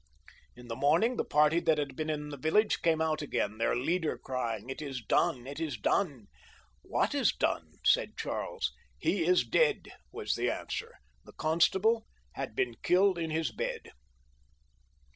In the morning the party that had been in the village came out again, their leader crying ;" It is done ! it is done !"" What is done V* said Charles. " He is dead," was the answer. The constable had been killed in his bed.